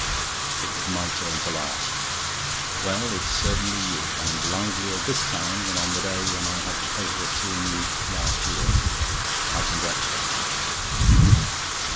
It was my turn to laugh: "Well, it's certainly you, and livelier this time than on the day when I had the pleasure of seeing you, last year—I congratulate you."